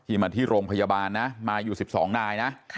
มาที่โรงพยาบาลนะมาอยู่๑๒นายนะ